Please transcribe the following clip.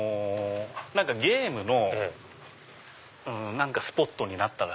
ゲームのスポットになったらしくて。